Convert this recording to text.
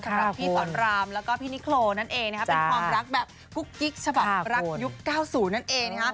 สำหรับพี่สอนรามแล้วก็พี่นิโครนั่นเองเป็นความรักแบบกุ๊กกิ๊กฉบับรักยุค๙๐นั่นเอง